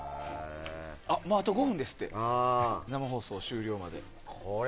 あ、あと５分ですって生放送終了まで。